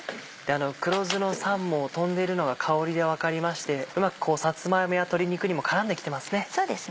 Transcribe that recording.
黒酢の酸も飛んでるのが香りで分かりましてうまくさつま芋や鶏肉にも絡んできてますね。